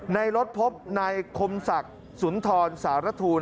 ในรถพบนายคมศักดิ์สุนทรสารทูล